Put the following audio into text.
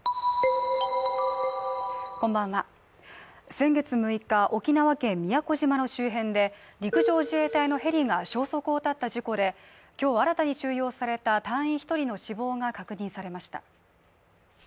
先月６日沖縄県宮古島の周辺で陸上自衛隊のヘリが消息を絶った事故で今日新たに収容された隊員１人の死亡が確認されました。